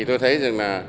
thì tôi thấy rằng là